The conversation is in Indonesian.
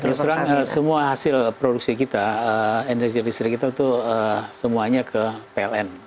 terus terang semua hasil produksi kita energi listrik kita itu semuanya ke pln